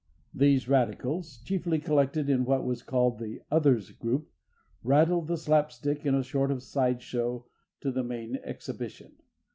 These radicals, chiefly collected in what was called the "Others" group, rattled the slapstick in a sort of side show to the main exhibition.